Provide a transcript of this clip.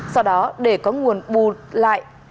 sau đó để có nguồn bù lại